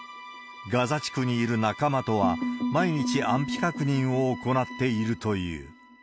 ガザ地区にいる仲間とは、毎日安否確認を行っているという。